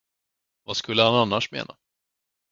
Vad skulle han annars mena?